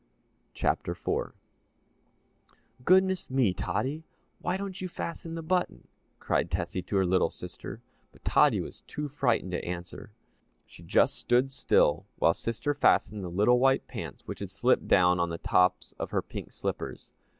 CHAPTER IV "Goodness me, Tottie, why don't you fasten the button!" cried Tessie to her little sister. But Tottie was too frightened to answer; she just stood still while sister fastened the little white pants which had slipped down on the tops of her pink slippers.